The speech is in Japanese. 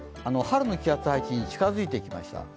春の気圧配置に近づいてきました。